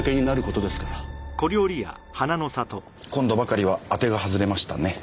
今度ばかりは当てが外れましたね。